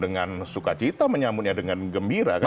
dengan suka cita menyambutnya dengan gembira